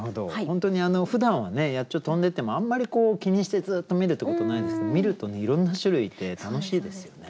本当にふだんはね野鳥飛んでてもあんまり気にしてずっと見るってことないんですけど見るといろんな種類いて楽しいですよね。